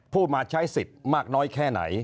ผู้มาใช้สิทธิ์มากน้อยแค่ไหน